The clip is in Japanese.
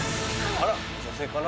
あら女性かな？